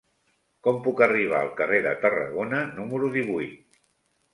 Com puc arribar al carrer de Tarragona número divuit?